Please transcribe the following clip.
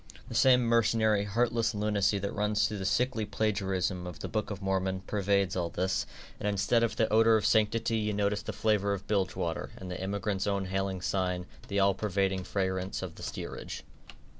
The same mercenary, heartless lunacy that runs through the sickly plagiarism of the Book of Mormon, pervades all this, and instead of the odor of sanctity you notice the flavor of bilge water, and the emigrant's own hailing sign, the all pervading fragrance of the steerage.